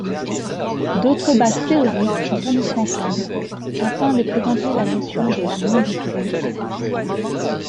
D'autres bases théoriques sont indispensables afin de présenter la notion de Nom-du-Père.